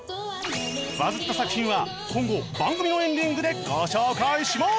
バズった作品は今後番組のエンディングでご紹介します！